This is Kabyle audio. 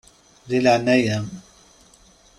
Di leɛnaya-m.